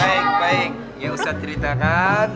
baik baik ya ustadz ceritakan